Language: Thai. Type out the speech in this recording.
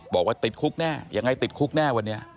บอกว่าติดคุกแน่ยังไงติดคุกแน่วันนี้